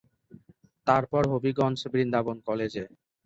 তারপর হবিগঞ্জ বৃন্দাবন কলেজে।